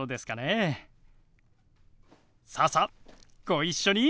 さあさあご一緒に！